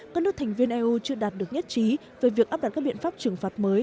các nước thành viên eu chưa đạt được nhất trí về việc áp đặt các biện pháp trừng phạt mới